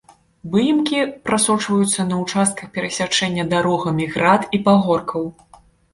Выемкі прасочваюцца на участках перасячэння дарогамі град і пагоркаў.